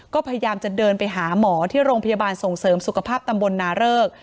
ก็พยายามจะเดินไปหาหมอที่โรงพยาบาลส่งเสริมสุขภาพตำบลนาเริก